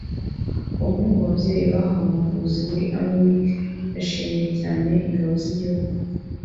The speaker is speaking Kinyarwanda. umwe mu babyeyi bahawe ubuvuzi muri Army Week yashimiye cyane ingabo z’igihugu